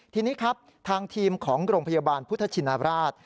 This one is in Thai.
ทีนี้ครับทางทีมของโรงพยาบาลพุทธชินราช